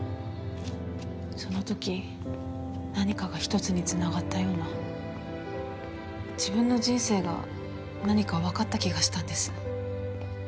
その時何かが一つに繋がったような自分の人生が何かわかった気がしたんです。